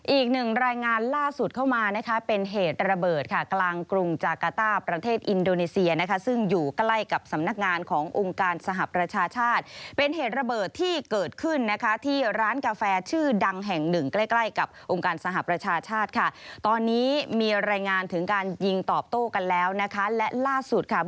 อีกหนึ่งรายงานล่าสุดเข้ามานะคะเป็นเหตุระเบิดค่ะกลางกรุงจากาต้าประเทศอินโดนีเซียนะคะซึ่งอยู่ใกล้กับสำนักงานขององค์การสหประชาชาติเป็นเหตุระเบิดที่เกิดขึ้นนะคะที่ร้านกาแฟชื่อดังแห่งหนึ่งใกล้ใกล้กับองค์การสหประชาชาติค่ะตอนนี้มีรายงานถึงการยิงตอบโต้กันแล้วนะคะและล่าสุดค่ะ